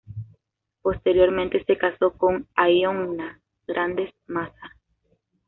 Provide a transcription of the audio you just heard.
Posteriormente se casó con Ainhoa Grandes Massa.